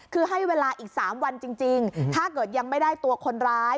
คือให้เวลาอีก๓วันจริงถ้าเกิดยังไม่ได้ตัวคนร้าย